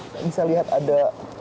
bisa lihat ada